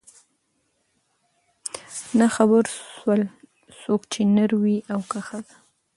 نه خبر سول څوک چي نر وې او که ښځه